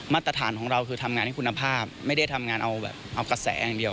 มาตรฐานของเราคือทำงานให้คุณภาพไม่ได้ทำงานเอาแบบเอากระแสอย่างเดียว